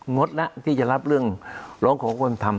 งดนะที่จะรับเรื่องร้องขอความเป็นธรรม